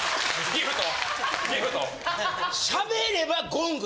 ギフト？